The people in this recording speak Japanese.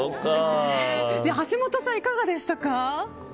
橋下さん、いかがでしたか。